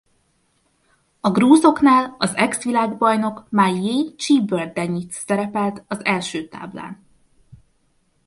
A grúzoknál az exvilágbajnok Maia Csiburdanidze szerepelt az első táblán.